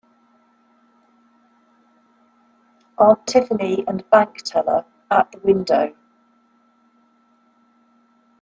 Aunt Tiffany and bank teller at the window.